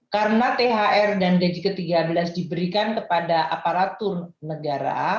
karena thr dan gaji ke tiga belas diberikan kepada aparatur negara